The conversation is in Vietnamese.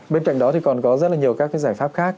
bên cạnh đó thì còn có rất là nhiều các cái giải pháp khác